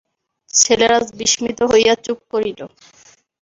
ছেলেরা বিস্মিত হইয়া চুপ করিল।